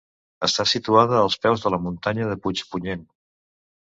Està situada als peus de la muntanya de Puigpunyent.